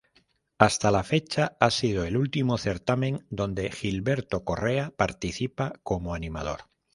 Hasta la fecha ha sido el último certamen donde Gilberto Correa participa como animador.